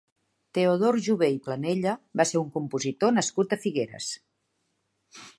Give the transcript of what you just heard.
Teodor Jové i Planella va ser un compositor nascut a Figueres.